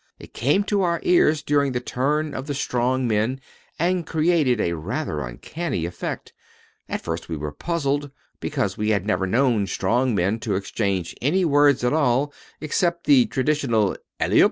It came to our ears during the turn of the strong men and created a rather uncanny effect. At first we were puzzled because we had never known strong men to exchange any words at all except the traditional "alleyup."